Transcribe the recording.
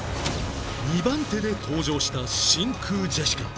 ２番手で登場した真空ジェシカ